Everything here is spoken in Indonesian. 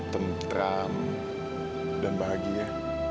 tentram dan bahagia